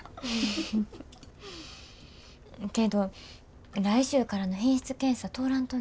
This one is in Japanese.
けど来週からの品質検査通らんとな。